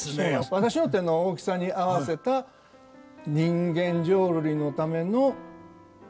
私の手の大きさに合わせた人間浄瑠璃のためのまあ。